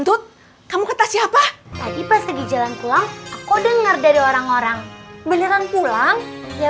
tut kamu kata siapa tadi pas lagi jalan pulang aku denger dari orang orang beneran pulang ya